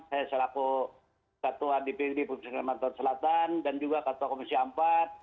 saya seraku ketua dprd provinsi kalimantan selatan dan juga ketua komisi ampat